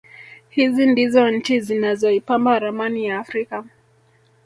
Hizi ndizo nchi zinazoipamba ramani ya Afrika